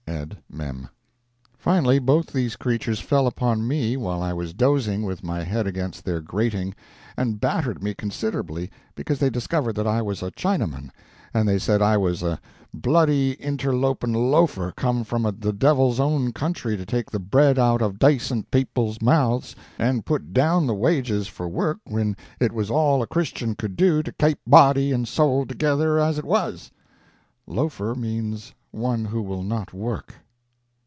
Ed. Mem.] Finally, both these creatures fell upon me while I was dozing with my head against their grating, and battered me considerably, because they discovered that I was a Chinaman, and they said I was "a bloody interlopin' loafer come from the devil's own country to take the bread out of dacent people's mouths and put down the wages for work whin it was all a Christian could do to kape body and sowl together as it was." "Loafer" means one who will not work.